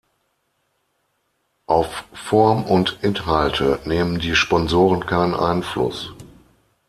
Auf Form und Inhalte nehmen die Sponsoren keinen Einfluss.